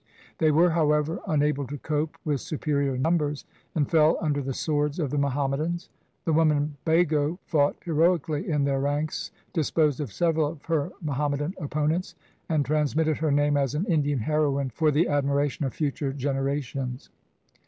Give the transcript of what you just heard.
They were, however, unable to cope with superior numbers and fell under the swords of the Muhammadans. The woman Bhago fought heroically in their ranks, disposed of several of her Muhammadan opponents, and transmitted her name as an Indian heroine for the admiration of future generations.